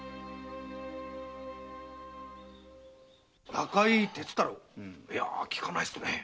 中井徹太郎？いや聞かないっすね。